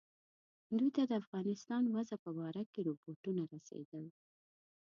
دوی ته د افغانستان وضع په باره کې رپوټونه رسېدل.